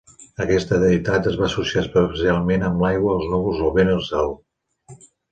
Aquesta deïtat es va associar especialment amb l"aigua, els núvols, el vent i el cel.